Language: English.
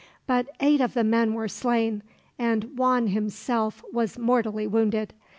But eight of the men were slain, and Juan himself was mortally wounded.